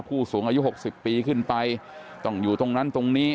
ผู้สูงอายุ๖๐ปีขึ้นไปต้องอยู่ตรงนั้นตรงนี้